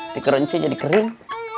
tikerun cu jadi kering